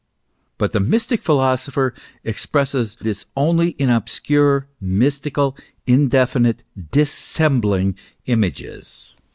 But the mystic philosopher expresses this only in obscure, mystical, indefinite, dissembling images.